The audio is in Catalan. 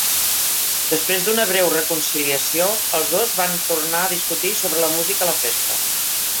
Després d'una breu reconciliació, els dos van tornar a discutir sobre la música a la festa.